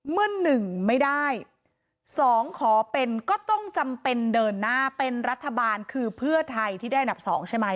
เมื่อ๑ไม่ได้๒ขอเป็นก็ต้องจำเป็นเดินหน้าเป็นรัฐบาลคือเพื่อไทยที่ได้อันดับ๒ใช่ไหม